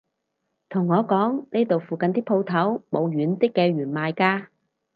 同我講呢度附近啲舖頭冇軟啲嘅弦賣㗎